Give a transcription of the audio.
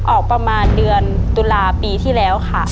ออกประมาณเดือนตุลาปีที่แล้วค่ะ